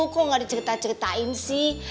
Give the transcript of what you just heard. kok gak diceritain ceritain sih